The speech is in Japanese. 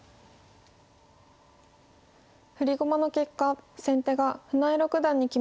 振り駒の結果先手が船江六段に決まりました。